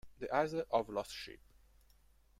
The Isle of Lost Ships